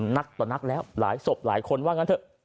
นักต่อนักแล้วหลายศพหลายคนว่างั้นเถอะ